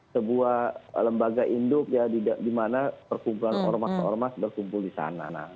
sebuah lembaga induk ya di mana perkumpulan ormas ormas berkumpul di sana